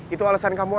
itu alasan kamu aja